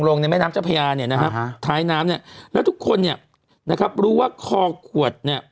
ในแม่น้ำเจ้าพญาเนี่ยนะฮะท้ายน้ำเนี่ยแล้วทุกคนเนี่ยนะครับรู้ว่าคอขวดเนี่ย